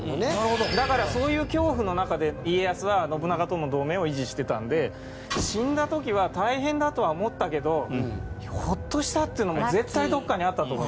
だからそういう恐怖の中で家康は信長との同盟を維持してたんで死んだ時は大変だとは思ったけどほっとしたっていうのが絶対どこかにあったと思います。